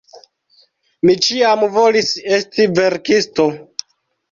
Mi ĉiam volis esti verkisto.